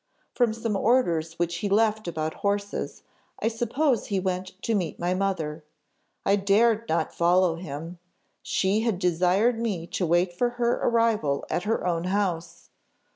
"From some orders which he left about horses, I suppose he went to meet my mother. I dared not follow him. She had desired me to wait for her arrival at her own house.